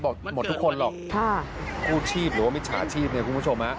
บอกหมดทุกคนหรอกคู่ชีพหรือว่ามิจฉาชีพนี่ครับคุณผู้ชม